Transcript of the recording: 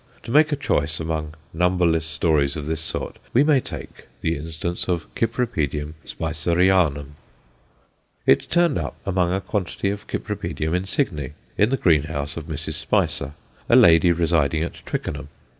To make a choice among numberless stories of this sort, we may take the instance of C. Spicerianum. It turned up among a quantity of Cypripedium insigne in the greenhouse of Mrs. Spicer, a lady residing at Twickenham.